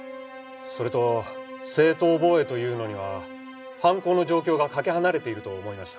それと正当防衛というのには犯行の状況がかけ離れていると思いました。